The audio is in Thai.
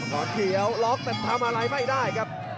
อ่อนเขียวล็อกแต่ทำอะไรไม่ได้ครับ